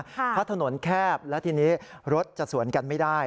เพราะถนนแคบและทีนี้รถจะสวนกันไม่ได้